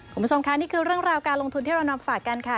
คุณผู้ชมค่ะนี่คือเรื่องราวการลงทุนที่เรานำฝากกันค่ะ